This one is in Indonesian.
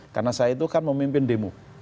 karena saya itu kan memimpin demo